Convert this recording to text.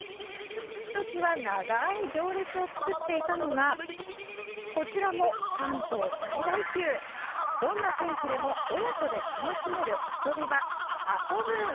ひときわ長い行列を作っていたのはこちらも関東最大級、どんな天気でも親子で楽しめる遊び場、ＡＳＯＢｏｏｎ。